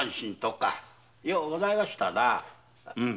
ようございましたな。